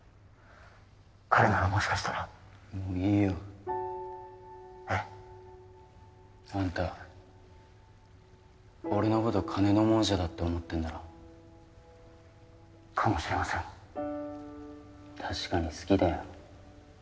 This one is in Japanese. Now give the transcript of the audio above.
彼ならもしかしたらもういいよえっ？あんた俺のこと金の亡者だって思ってんだろかもしれません確かに好きだよ